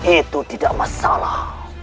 itu tidak masalah